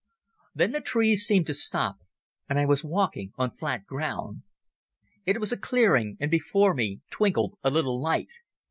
Then the trees seemed to stop and I was walking on flat ground. It was a clearing, and before me twinkled a little light.